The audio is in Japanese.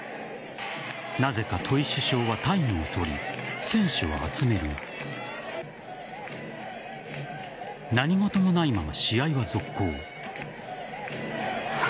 なぜか戸井主将はタイムを取り選手を集めるが何事もないまま試合は続行。